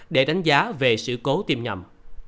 để đánh giá về sự cố tiêm nhầm